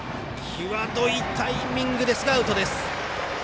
際どいタイミングですがアウトです。